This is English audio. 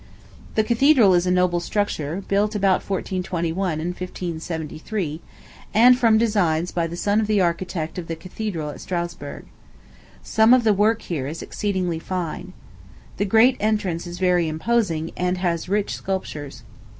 The Cathedral is a noble structure, built between 1421 and 1573, and from designs by the son of the architect of the Cathedral at Strasburg. Some of the work here is exceedingly fine. The great entrance is very imposing, and has rich sculptures.